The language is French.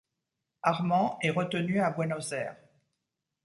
Armand est retenu à Buenos Aires.